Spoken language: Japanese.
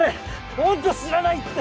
ホント知らないって！